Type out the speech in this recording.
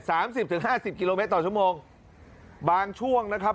สิบถึงห้าสิบกิโลเมตรต่อชั่วโมงบางช่วงนะครับ